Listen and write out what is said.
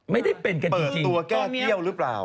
ไม่ได้เป็นกันจริงตอนนี้เปิดตัวแก้วรึเปล่า